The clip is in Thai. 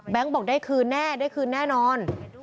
บอกได้คืนแน่ได้คืนแน่นอน